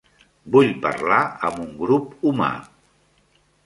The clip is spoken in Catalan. Vull parlar amb un grup humà.